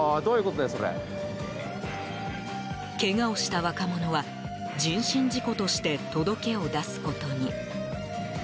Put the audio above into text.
けがをした若者は人身事故として届けを出すことに。